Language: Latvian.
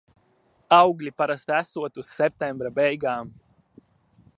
Augļi parasti esot uz septembra beigām.